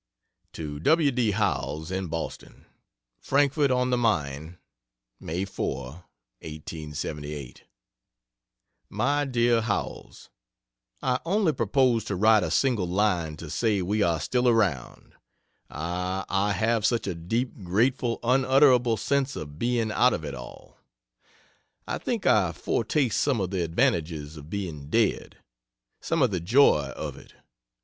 To W. D. Howells, in Boston: FRANKFORT ON THE MAIN, May 4, 1878. MY DEAR HOWELLS, I only propose to write a single line to say we are still around. Ah, I have such a deep, grateful, unutterable sense of being "out of it all." I think I foretaste some of the advantages of being dead. Some of the joy of it.